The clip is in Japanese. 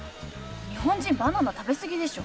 日本人バナナ食べ過ぎでしょ。